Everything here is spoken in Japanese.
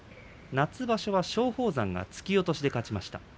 夏場所は松鳳山が突き落としで勝ちました。